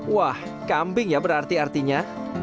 wah kambing ya berarti artinya